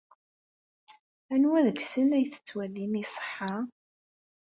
Anwa deg-sen ay tettwalim iṣeḥḥa?